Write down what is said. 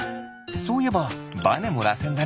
そういえばバネもらせんだね。